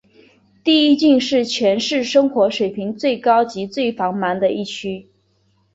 第一郡是全市生活水平最高及最繁忙的一区。